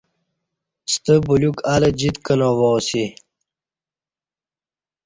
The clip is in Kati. ستہ بلیوک الہ جیت کنہ وا اسی۔